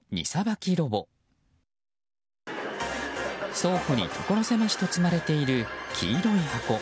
倉庫に、ところ狭しと積まれている黄色い箱。